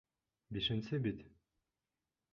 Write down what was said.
Бишенсе бит!